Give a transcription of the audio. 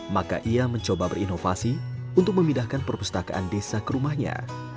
maka ia mencoba berinovasi untuk memindahkan perpustakaan desa ke rumahnya